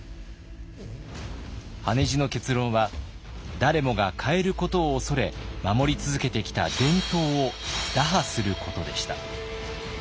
羽地の結論は誰もが変えることを恐れ守り続けてきた伝統を打破することでした。